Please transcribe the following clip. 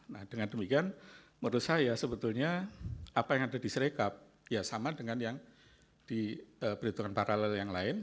nah dengan demikian menurut saya sebetulnya apa yang ada di serekap ya sama dengan yang diperhitungkan paralel yang lain